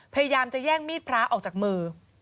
พยายามจะแย่งมีดพระออกจากมือ